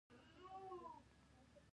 تړون په فلاني کال کې لاسلیک شو.